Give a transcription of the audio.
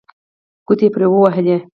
ګوتې یې پرې ووهلې.